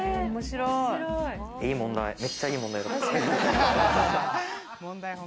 いい問題！